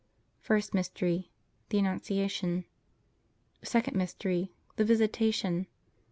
First Mystery. The Annunciation. Second Mystery. The Visitation.